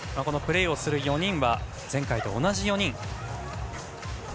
プレーをする４人は前回と同じ４人。